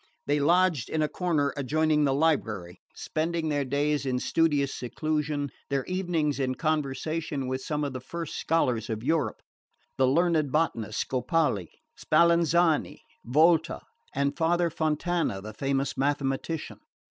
They lodged in a corner adjoining the library, spending their days in studious seclusion, their evenings in conversation with some of the first scholars of Europe: the learned botanist Scopoli, Spallanzani, Volta, and Father Fontana, the famous mathematician.